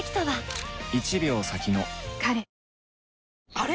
あれ？